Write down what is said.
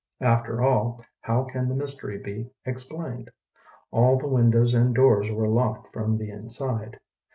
After all how can the mystery be explained? All the windows and doors were locked from the inside.